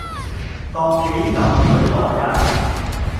踱幾舊水來呀